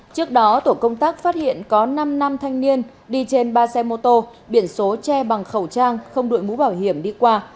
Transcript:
trước đó tổ công tác phát hiện có năm năm thanh niên đi trên ba xe mô tô biển số che bằng khẩu trang không đuổi mũ bảo hiểm đi qua